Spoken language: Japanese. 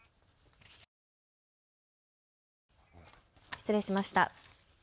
失礼しました。